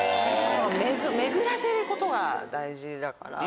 巡らせることが大事だから。